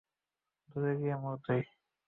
দূরে গিয়ে মর তুই!